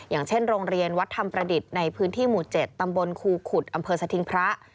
อย่างเช่นโรงเรียนวัดธรรมประดิษฐ์ในพื้นที่หมู่๗ตำบลครูขุดอำเภอสถิงพระ